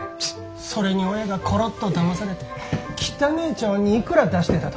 それに親がコロッとだまされて汚え茶わんにいくら出してたと思う？